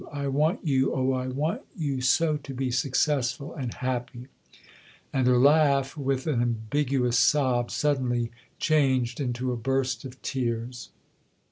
I want you oh, I want you so to be successful and happy !" And her laugh, with an ambiguous sob, suddenly changed into a burst of tears.